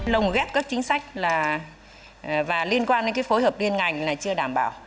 lồng ghét các chính sách liên quan đến phối hợp liên ngành chưa đảm bảo